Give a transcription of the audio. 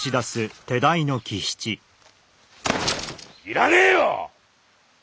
いらねえよ！